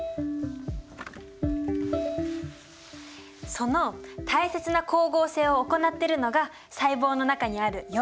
その大切な光合成を行ってるのが細胞の中にある葉緑体だよね。